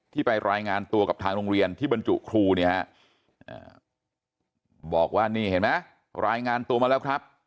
ไปรายงานตัวกับทางโรงเรียนที่บรรจุครูเนี่ยฮะบอกว่านี่เห็นไหมรายงานตัวมาแล้วครับ